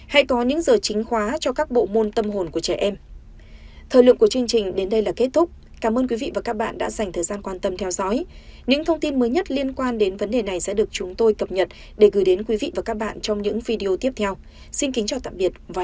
hãy có những giờ chính khóa cho các bộ môn tâm hồn của trẻ em